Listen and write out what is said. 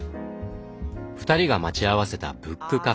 ２人が待ち合わせたブックカフェ。